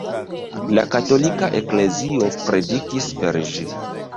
La katolika eklezio predikis per ĝi.